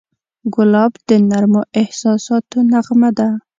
ګلاب د نرمو احساساتو نغمه ده.